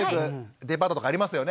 デパートとかありますよね。